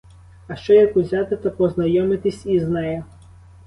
А що як узяти та познайомитись із нею?